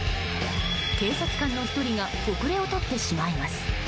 警察官の１人が後れを取ってしまいます。